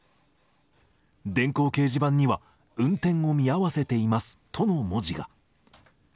電光掲示板には、運転を見合わせていますとの文字が。